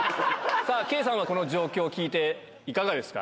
さあ、圭さんはこの状況を聞いて、いかがですか？